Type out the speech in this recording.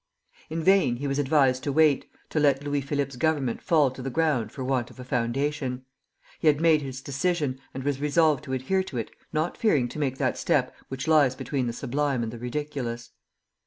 In vain he was advised to wait, to let Louis Philippe's Government fall to the ground for want of a foundation. He had made his decision, and was resolved to adhere to it, not fearing to make that step which lies between the sublime and the ridiculous.